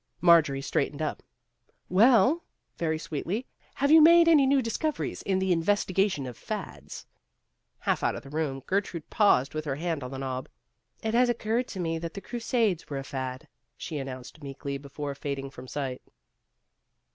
Marjorie straightened up. " Well," very sweetly, " have you made any new dis coveries in the investigation of fads ?" Half out of the room, Gertrude paused with her hand on the knob. "It has oc curred to me that the Crusades were a fad," she announced meekly before fading from sight.